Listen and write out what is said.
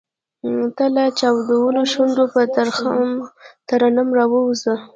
تۀ لۀ چاودلو شونډو پۀ ترنم راووځه !